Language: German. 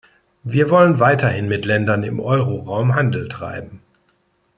Wir wollen weiterhin mit Ländern im Euroraum Handel treiben.